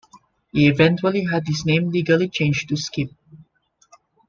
He eventually had his name legally changed to Skip.